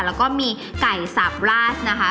แล้วก็มีไก่สับลาดนะคะ